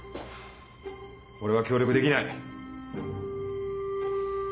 俺は協力できない。